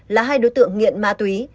là hai đối tượng nghiện ma túy